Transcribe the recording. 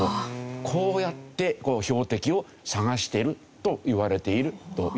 こうやって標的を探しているといわれているという事ですね。